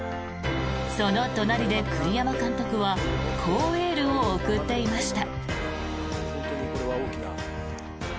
その隣で栗山監督はこうエールを送っていました。